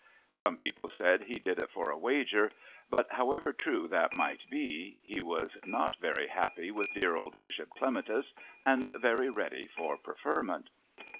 Some people said he did it for a wager; but however true that might be, he was not very happy with dear old Bishop Clematis and very ready for preferment.